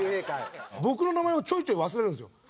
僕の名前をちょいちょい忘れるんですよ。